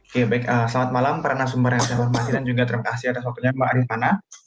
oke baik selamat malam para nasumber yang saya hormati dan juga terima kasih atas waktunya mbak arifana